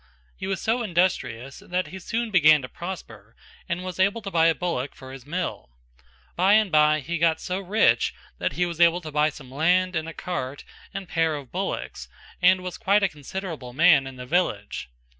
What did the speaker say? He was so industrious that he soon began to prosper and was able to buy a bullock for his mill. By and bye he got so rich that he was able to buy some land and a cart and pair of bullocks and was quite a considerable man in the village.